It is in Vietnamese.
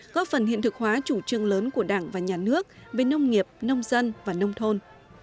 góp phần hiện thực hóa chủ trương lớn của đảng và nhà nước về nông nghiệp nông dân và nông thôn